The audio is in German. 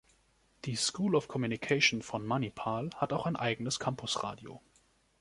Die School of Communication von Manipal hat auch ein eigenes Campusradio.